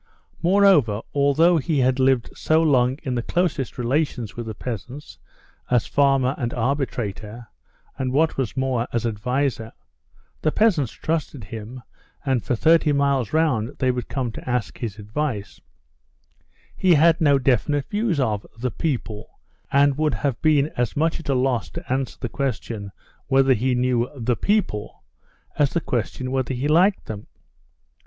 Moreover, although he had lived so long in the closest relations with the peasants, as farmer and arbitrator, and what was more, as adviser (the peasants trusted him, and for thirty miles round they would come to ask his advice), he had no definite views of "the people," and would have been as much at a loss to answer the question whether he knew "the people" as the question whether he liked them.